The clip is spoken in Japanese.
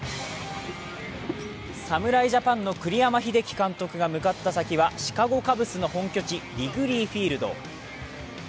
侍ジャパンの栗山英樹監督が向かった先はシカゴ・カブスの本拠地リグレー・フィールド。